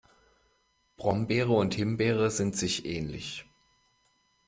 Brombeere und Himbeere sind sich ähnlich.